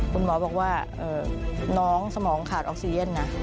คุณหมอบอกว่าน้องสมองขาดออกซีเย็นนะ